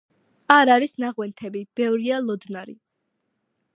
არ არის ნაღვენთები, ბევრია ლოდნარი.